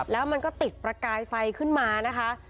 แล้วมันก็ติดประกายไฟขึ้นมานะคะ